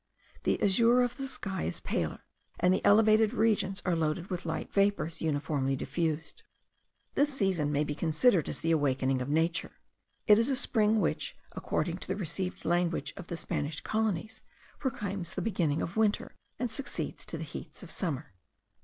The azure of the sky is paler, and the elevated regions are loaded with light vapours, uniformly diffused. This season may be considered as the awakening of nature; it is a spring which, according to the received language of the Spanish colonies, proclaims the beginning of winter, and succeeds to the heats of summer.